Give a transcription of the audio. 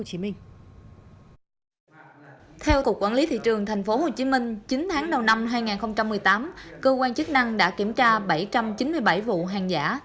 theo cục quản lý thị trường tp hcm chín tháng đầu năm hai nghìn một mươi tám cơ quan chức năng đã kiểm tra bảy trăm chín mươi bảy vụ hàng giả